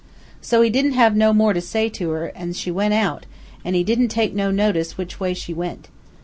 So he didn't have no more to say to her, an' she went out, an' he didn't take no notice which way she went.